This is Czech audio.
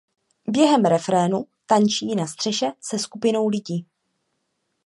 Během refrénu tančí na střeše se skupinou lidí.